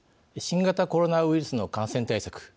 新型コロナウイルスの感染対策